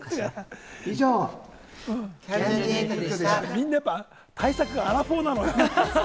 みんな、対策がアラフォーなのよ。